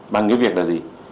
bằng cái việc là gì